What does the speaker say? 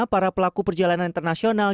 para pelaku perjalanan internasional